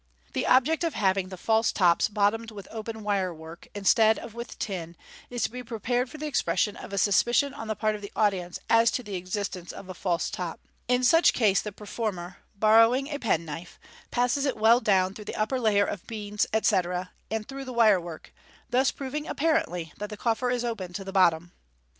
The object of having the false tops bottomed with open wirework, instead of with tin, is to be prepared for the expression of a suspicion on the part of the audience as to the existence of a false top. In such case the performer, borrowing a penknife, passes it well down through the upper layer of beans, etc., and through the wirework, thus proving (apparently) that the coffer is open to the bottom.